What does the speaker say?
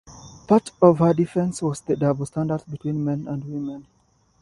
Part of her defence was the double standards between men and women.